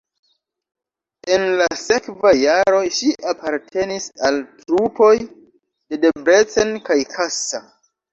En la sekvaj jaroj ŝi apartenis al trupoj de Debrecen kaj Kassa.